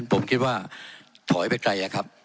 ผมคิดว่าถอยไปไกล